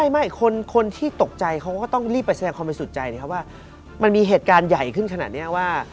ไม่คนที่ตกใจเขาก็ต้องรีบไปแสดงความบริสุทธิ์ใจนะครับว่ามันมีเหตุการณ์ใหญ่ขึ้นขนาดนี้ว่า